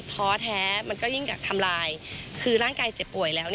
ท้อแท้มันก็ยิ่งทำลายคือร่างกายเจ็บป่วยแล้ว